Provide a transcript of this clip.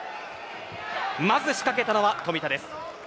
まず仕掛けたのは冨田です。